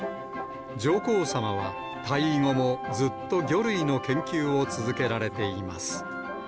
上皇さまは退位後もずっと魚類の研究を続けられています。